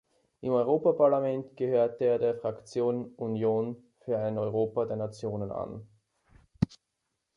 Im Europaparlament gehörte er der Fraktion Union für ein Europa der Nationen an.